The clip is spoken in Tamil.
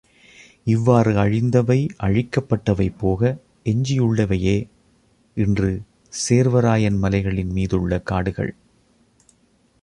இவ்வாறு அழிந்தவை, அழிக்கப்பட்டவை போக எஞ்சியுள்ளவையே இன்று சேர்வராயன் மலைகளின் மீதுள்ள காடுகள்.